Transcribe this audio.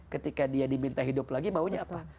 ketika dia diminta hidup lagi maunya apa